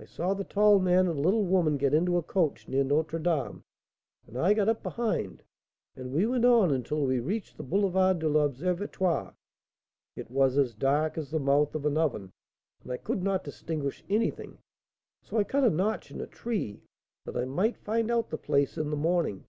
I saw the tall man and little woman get into a coach near Notre Dame, and I got up behind, and we went on until we reached the Boulevard de l'Observatoire. It was as dark as the mouth of an oven, and I could not distinguish anything, so I cut a notch in a tree, that I might find out the place in the morning."